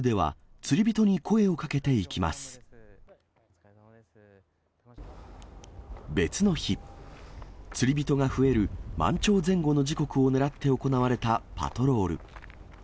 釣り人が増える満潮前後の時刻を狙って行われたパトロール。